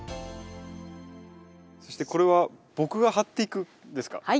そしてこれは僕が貼っていくんですか？